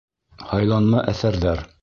Һайланма әҫәрҙәр.